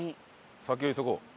先を急ごう。